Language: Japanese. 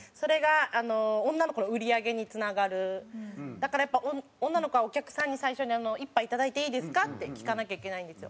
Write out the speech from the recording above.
だからやっぱ女の子はお客さんに最初に「１杯いただいていいですか？」って聞かなきゃいけないんですよ。